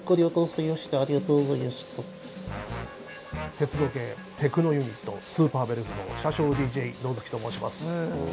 鉄道系テクノユニットＳＵＰＥＲＢＥＬＬ”Ｚの車掌ＤＪ野月と申します。